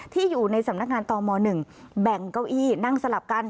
ที่อยู่ในสำนักงานต่อม๑แบ่งเก้าอี้นั่งสลับกัน